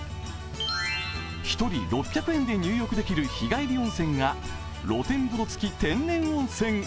１人６００円で入浴できる日帰り温泉が露天風呂付き天然温泉。